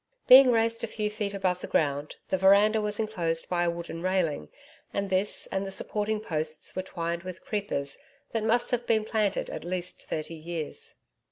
Being raised a few feet above the ground, the veranda was enclosed by a wooden railing, and this and the supporting posts were twined with creepers that must have been planted at least thirty years.